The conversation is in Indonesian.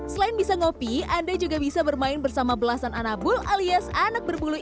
selain bisa ngopi anda juga bisa bermain bersama belasan anabul alias anak berbulu ini